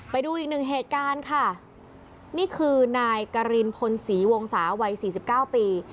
ไปดูอีกหนึ่งเหตุการณ์ค่ะนี่คือนายกรินพลศรีวงศาวัย๔๙ปี